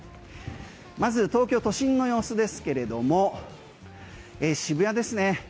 まず東京都心の様子ですけれども渋谷ですね。